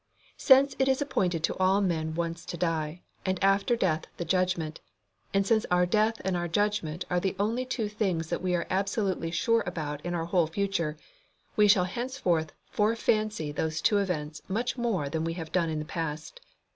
Since it is appointed to all men once to die, and after death the judgment; and since our death and our judgment are the only two things that we are absolutely sure about in our whole future, we shall henceforth fore fancy those two events much more than we have done in the past.